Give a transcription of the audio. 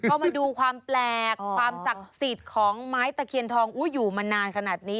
ก็มาดูความแปลกความศักดิ์สิทธิ์ของไม้ตะเคียนทองอยู่มานานขนาดนี้